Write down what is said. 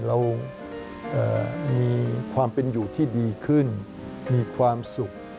เรามีความเป็นอยู่ที่ดีขึ้นมีความสุข